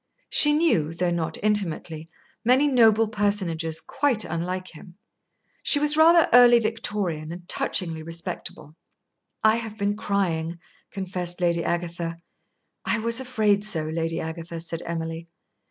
She knew, though not intimately, many noble personages quite unlike him. She was rather early Victorian and touchingly respectable. "I have been crying," confessed Lady Agatha. "I was afraid so, Lady Agatha," said Emily.